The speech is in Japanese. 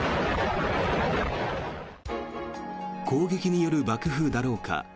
攻撃による爆風だろうか。